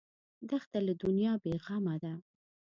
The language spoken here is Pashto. دښته له دنیا بېغمه ده.